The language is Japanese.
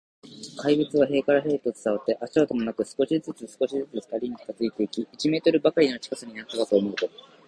怪物は塀から塀へと伝わって、足音もなく、少しずつ、少しずつ、ふたりに近づいていき、一メートルばかりの近さになったかと思うと、